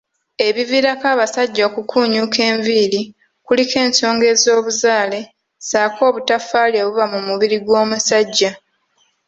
Ebiviirako abasajja okukuunyuuka enviiri kuliko ensonga ez'obuzaale ssaako obutaffaali obuba mu mubiri gw'omusajja